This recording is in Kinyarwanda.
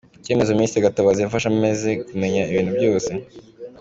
Icyemezo Ministre Gatabazi yafashe amaze kumenya ibintu byose.